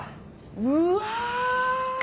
うわ！